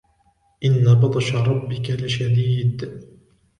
إِنَّ بَطْشَ رَبِّكَ لَشَدِيدٌ